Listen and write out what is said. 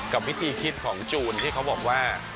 กับวิธีคิดของจูนที่เขาบอกว่า